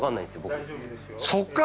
◆そっから？